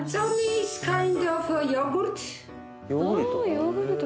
ヨーグルト。